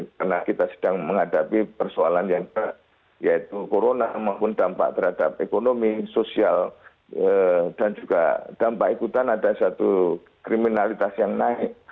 karena kita sedang menghadapi persoalan yang baik yaitu corona maupun dampak terhadap ekonomi sosial dan juga dampak ikutan ada satu kriminalitas yang naik